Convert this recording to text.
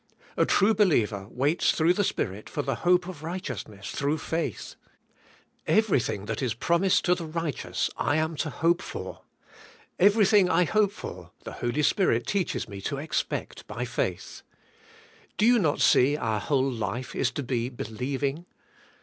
A true believer waits throug"h the Spirit for the hope of righteousness through faith. Kverything that is promised to the rig hteous I am to hope for. Ev erything I hope for the Holy Spirit teaches me to expect by faith. Do you not see our whole life is to be believing"?